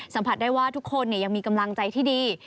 สัมผัสได้ว่าทุกคนยังมีกำลังใจที่ดี